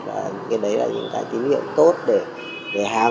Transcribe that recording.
và những cái đấy là những cái kinh nghiệm tốt để hào